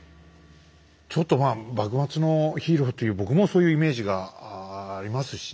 ちょっとまあ幕末のヒーローという僕もそういうイメージがありますしね。